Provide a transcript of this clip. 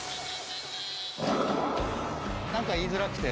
なんか言いづらくて。